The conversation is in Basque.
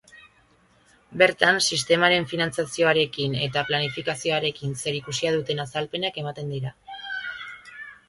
Bertan, sistemaren finantzazioarekin eta planifikazioarekin zerikusia duten azalpenak ematen dira.